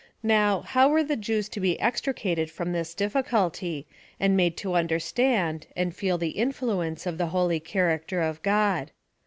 Now, how were the Jews to be extricated from this difficulty, and made to understand, and feel tlie influence of the holy char acter of God.